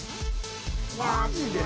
マジで？